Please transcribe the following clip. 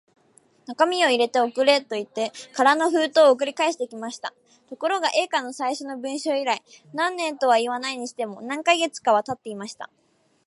中身を入れて送れ、といって空の封筒を送り返してきました。ところが、Ａ 課の最初の文書以来、何年とはいわないにしても、何カ月かはたっていました。